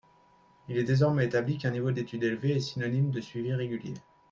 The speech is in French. Il est désormais établi qu’un niveau d’études élevé est synonyme de suivi régulier.